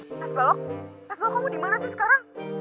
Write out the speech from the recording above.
wasbalok wasbalok kamu dimana sih sekarang